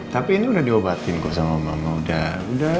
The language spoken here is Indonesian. tapi ini udah diobatin kok sama mama